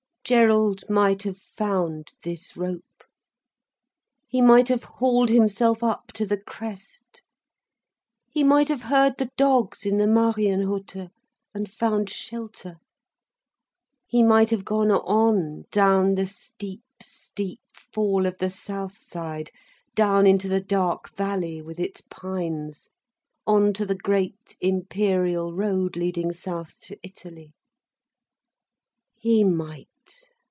Gerald might have found this rope. He might have hauled himself up to the crest. He might have heard the dogs in the Marienhütte, and found shelter. He might have gone on, down the steep, steep fall of the south side, down into the dark valley with its pines, on to the great Imperial road leading south to Italy. He might!